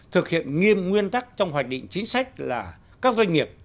thực hiện nghiêm nguyên tắc trong hoạch định chính sách là các doanh nghiệp